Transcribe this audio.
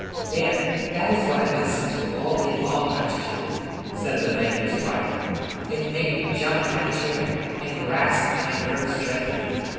"There! that is what I listened to all day long last year," said the banker's wife. "It made me jump in my chair and rasped my nerves dreadfully.